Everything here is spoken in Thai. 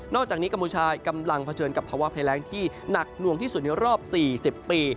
อกจากนี้กัมพูชากำลังเผชิญกับภาวะภัยแรงที่หนักหน่วงที่สุดในรอบ๔๐ปี